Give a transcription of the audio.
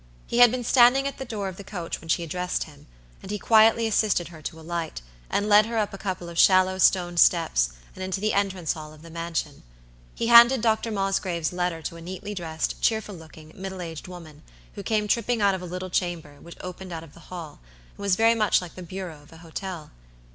He had been standing at the door of the coach when she addressed him, and he quietly assisted her to alight, and led her up a couple of shallow stone steps, and into the entrance hall of the mansion. He handed Dr. Mosgrave's letter to a neatly dressed, cheerful looking, middle aged woman, who came tripping out of a little chamber which opened out of the hall, and was very much like the bureau of an hotel.